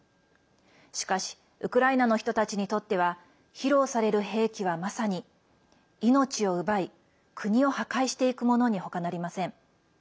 しかし、ウクライナの人たちにとっては披露される兵器はまさに命を奪い国を破壊していくものにほかなりません。